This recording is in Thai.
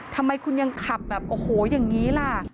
ทำไมคุณยังขับแบบโอ้โหอย่างนี้ล่ะ